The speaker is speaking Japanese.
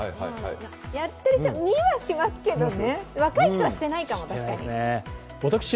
やってる人、見はしますけどね若い人はしていないかも、確かに。